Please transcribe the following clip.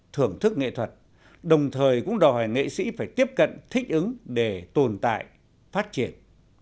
thưởng thức nghệ thuật đồng thời cũng đòi hỏi nghệ sĩ phải tiếp cận thích ứng để tồn tại phát triển